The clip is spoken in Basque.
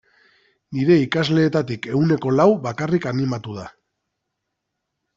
Nire ikasleetatik ehuneko lau bakarrik animatu da.